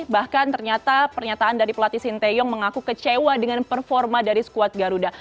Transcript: bahkan ternyata pernyataan dari pelatih sinteyong mengaku kecewa dengan performa dari skuad garuda